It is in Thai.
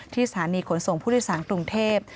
สถานีขนส่งผู้โดยสารกรุงเทพ